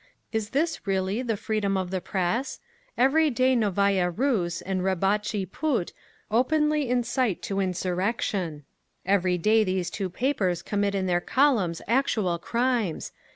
"Is this really 'the freedom of the press'? Every day Novaya Rus and Rabotchi Put openly incite to insurrection. Every day these two papers commit in their columns actual crimes.